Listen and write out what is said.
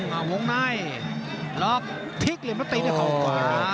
หัวงในแล้วพลิกเหลี่ยมประตูของขวา